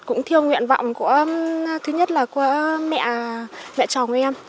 thì cũng thiêu nguyện vọng của thứ nhất là của mẹ chồng em